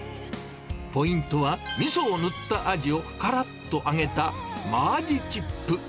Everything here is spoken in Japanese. ポイントは、みそを塗ったアジをからっと揚げた、マアジチップ。